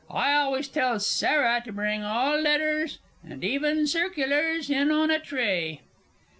I always tell Sarah to bring all letters, and even circulars, in on a tray!